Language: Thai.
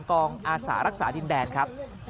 อาสารักษาดินแดนครับ